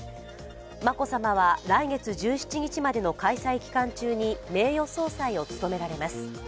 眞子さまは、来月１７日までの開催期間中に名誉総裁を務められます。